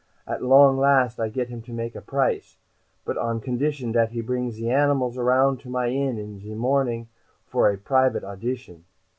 At long last I get him to make a price. But, on condition dat he bring ze animals around to my inn in the morning, for a private audition."